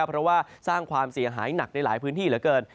เพราะว่าสร้างความเสียหายหนักในหลายพื้นที่เหลือเกิน